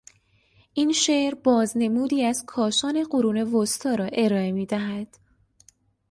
این شعر بازنمودی از کاشان قرون وسطی را ارائه میدهد.